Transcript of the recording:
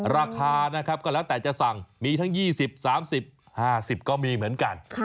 ราคานะครับก็แล้วแต่จะสั่งมีทั้ง๒๐๓๐๕๐ก็มีเหมือนกัน